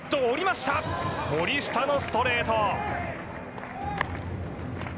森下のストレート。